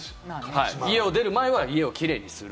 家を出る前は家をキレイにする。